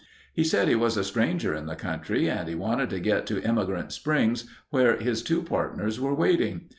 He said he was a stranger in the country and he wanted to get to Emigrant Springs where his two partners were waiting.